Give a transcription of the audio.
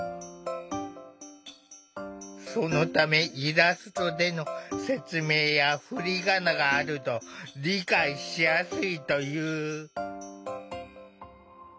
そのためイラストでの説明や振り仮名があると理解しやすいという。